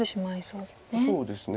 そうですね